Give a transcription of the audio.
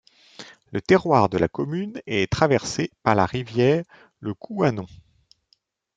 Le territoire de la commune est traversé par la rivière Le Couasnon.